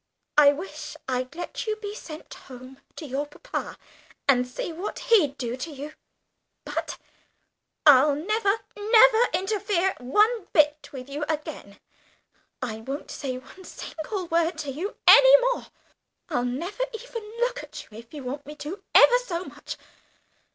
I wish I'd let you be sent home to your papa, and see what he'd do to you. But I'll never, never interfere one bit with you again. I won't say one single word to you any more.... I'll never even look at you if you want me to ever so much....